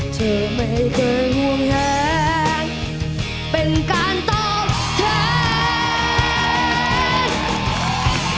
เธอไม่เคยง่วงแหงเป็นการตอบแทน